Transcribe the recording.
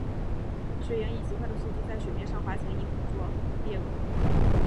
水黾以极快的速度在水面上滑行以捕捉猎物。